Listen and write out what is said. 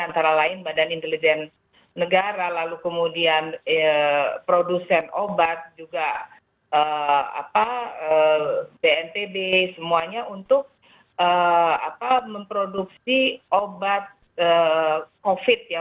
antara lain badan intelijen negara lalu kemudian produsen obat juga bnpb semuanya untuk memproduksi obat covid ya